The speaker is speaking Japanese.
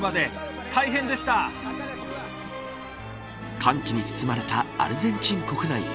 歓喜に包まれたアルゼンチン国内。